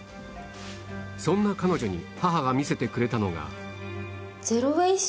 そんな彼女に母が見せてくれたのが